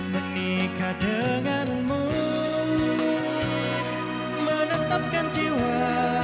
menikah denganmu menetapkan jiwa